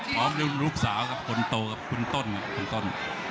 พร้อมด้วยลูกสาวครับคนโตครับคุณต้นครับคุณต้น